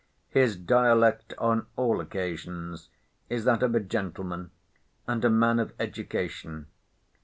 His dialect on all occasions is that of a gentleman, and a man of education.